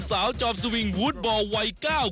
สาวจอบสวิงวูดบอลวัยก้าว